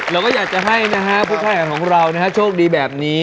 เราก็อยากจะให้นะฮะผู้แข่งขันของเราโชคดีแบบนี้